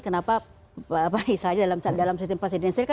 kenapa dalam sistem presidensial